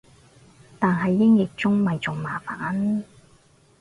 但係英譯中咪仲麻煩